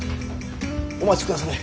お待ちくだされ。